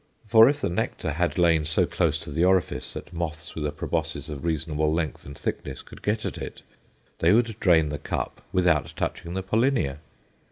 For, if the nectar had lain so close to the orifice that moths with a proboscis of reasonable length and thickness could get at it, they would drain the cup without touching the pollinia.